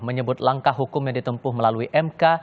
menyebut langkah hukum yang ditempuh melalui mk